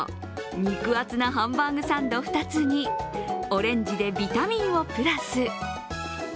肉厚なハンバーグサンド２つにオレンジでビタミンをプラス。